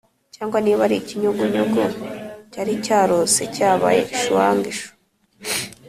cyangwa niba ari ikinyugunyugu cyari cyarose cyabaye chuang chou.”